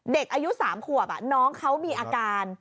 เด็กอายุ๓ขวบน้องเขามีอาการ